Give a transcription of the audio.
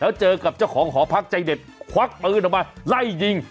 แล้วเจอกับเจ้าของหอพักใจเด็ดควักปืนออกมาไล่ยิง